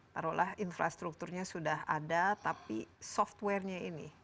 taruhlah infrastrukturnya sudah ada tapi software nya ini